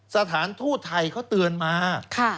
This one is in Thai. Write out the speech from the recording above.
สถานทูตไทยเขาเตือนมา